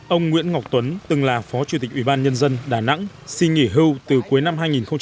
ông nguyễn ngọc tuấn từng là phó chủ tịch ubnd tp đà nẵng sinh nghỉ hưu từ cuối năm hai nghìn một mươi tám